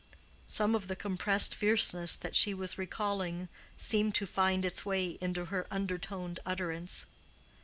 Some of the compressed fierceness that she was recalling seemed to find its way into her undertoned utterance.